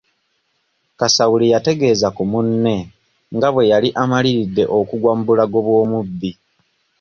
Kasawuli yategeeza ku munne nga bwe yali amaliridde okugwa mu bulago bw'omubbi.